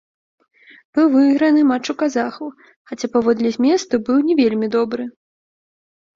Быў выйграны матч у казахаў, хаця паводле зместу быў не вельмі добры.